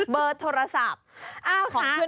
เบอร์โทรศัพท์ของเพื่อน